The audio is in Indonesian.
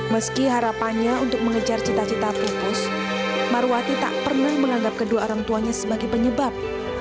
meski harapannya untuk mengejar cita cita pupus marwati tak pernah menganggap kedua orang tuanya sebagai penyebab